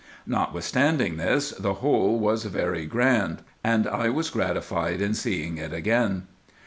Notwithstanding this, the whole was very grand, and I was gratified in seeing it again.